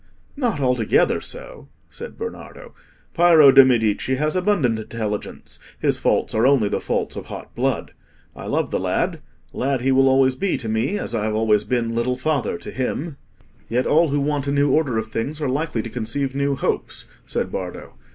"Not altogether so," said Bernardo. "Piero de' Medici has abundant intelligence; his faults are only the faults of hot blood. I love the lad—lad he will always be to me, as I have always been 'little father' to him." "Yet all who want a new order of things are likely to conceive new hopes," said Bardo.